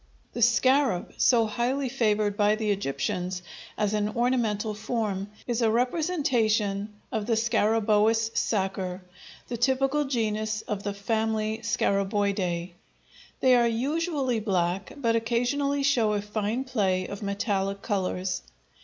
The scarab, so highly favored by the Egyptians as an ornamental form, is a representation of the scarabæus sacer, the typical genus of the family Scarabæidæ. They are usually black, but occasionally show a fine play of metallic colors.